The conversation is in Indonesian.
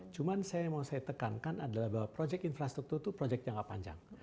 cuma yang mau saya tekankan adalah bahwa proyek infrastruktur itu proyek jangka panjang